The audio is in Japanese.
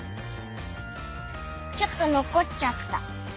ちょっとのこっちゃった。